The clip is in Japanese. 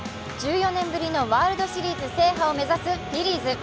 １４年ぶりのワールドシリーズ制覇を目指すフィリーズ。